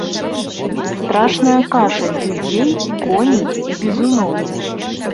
Страшная каша з людзей, коней і бізуноў.